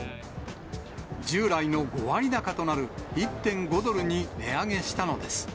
従来の５割高となる１．５ドルに値上げしたのです。